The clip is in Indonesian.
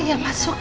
ya masuk sd